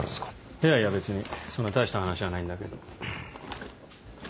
いやいや別にそんな大した話じゃないんだけど。